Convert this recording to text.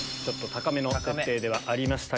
高めの設定ではありましたが。